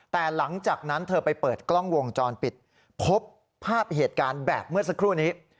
แต่หลังจากนั้นเธอไปเปิดกล้องวงจรปิดพบภาพเหตุการณ์แบบเมื่อสักครู่นี้